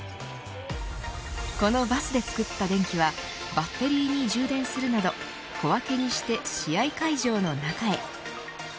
このバスで作った電気はバッテリーに充電するなど小分けにして試合会場の中へ。